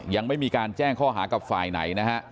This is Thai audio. ยังไม่มีการแจ้งข้อหากับฝ่ายไหนนะฮะ